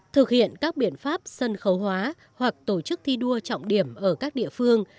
thực hiện các biện pháp sân khấu hóa hoặc tổ chức thi đua trọng điểm ở các địa phương